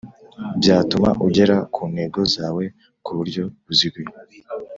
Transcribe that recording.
Byatuma ugera ku ntego zawo kuburyo buziguye